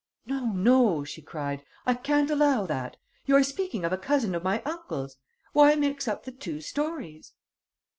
"No, no!" she cried. "I can't allow that!... You are speaking of a cousin of my uncle's? Why mix up the two stories?"